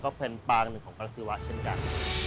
ก็เป็นปางหนึ่งของปลาซิวะเช่นกัน